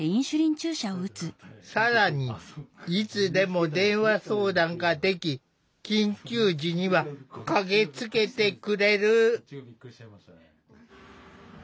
更にいつでも電話相談ができ緊急時には駆けつけてくれる。